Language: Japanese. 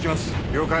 了解！